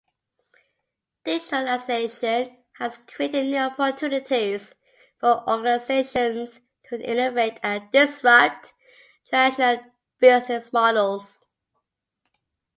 Digitalization has created new opportunities for organizations to innovate and disrupt traditional business models.